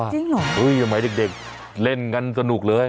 จริงหรอฮื้ยเหมือนแต่เด็กเล่นกันสนุกเลย